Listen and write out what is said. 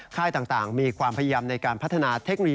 ค่ายต่างมีความพยายามในการพัฒนาเทคโนโลยี